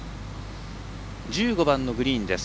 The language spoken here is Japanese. １５番のグリーンです。